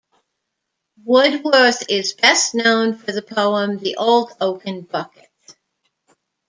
Woodworth is best known for the poem "The Old Oaken Bucket".